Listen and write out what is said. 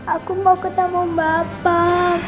aku mau ketemu bapak